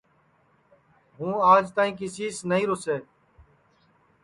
نہ ہوں آج تک کیسی سے روساتا ہے